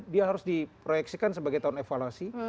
dia harus di proyeksikan sebagai tahun evaluasi